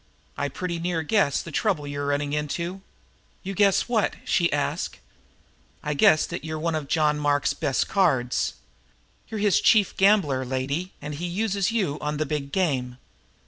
I pretty near guess the trouble you're running into." "You guess what?" she asked. "I guess that you're one of John Mark's best cards. You're his chief gambler, lady, and he uses you on the big game."